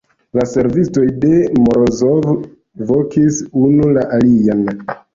La servistoj de Morozov vokis unu la alian.